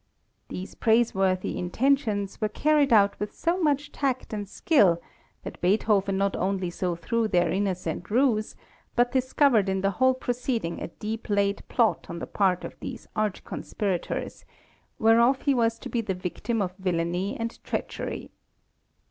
These praise worthy intentions were carried out with so much tact and skill that Beethoven not only saw through their innocent ruse, but discovered in the whole proceeding a deep laid plot on the part of these arch conspirators, whereof he was to be the victim of villainy and treachery.